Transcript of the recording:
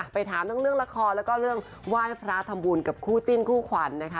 ไปถามทั้งเรื่องละครแล้วก็เรื่องไหว้พระทำบุญกับคู่จิ้นคู่ขวัญนะคะ